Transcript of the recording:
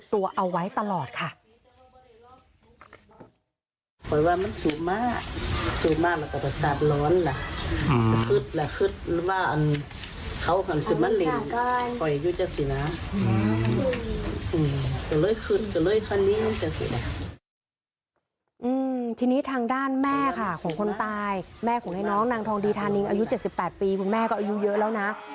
ตัวเอาไว้ตลอดค่ะ